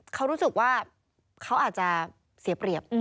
เขารู้สึกว่าเขาอาจจะเสียเปรียบ